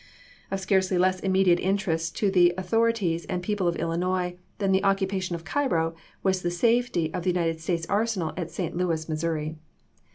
Of scarcely less immediate interest to the author ities and people of Illinois than the occupation of Cairo, was the safety of the United States arsenal at St. Louis, Missouri.